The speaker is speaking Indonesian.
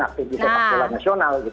aktif di sepak bola nasional